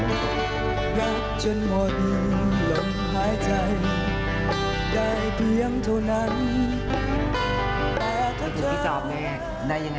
ถึงพี่ซอฟเนี่ยได้ยังไง